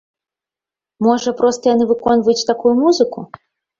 Можа, проста яны выконваюць такую музыку!?